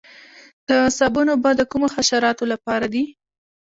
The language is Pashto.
د صابون اوبه د کومو حشراتو لپاره دي؟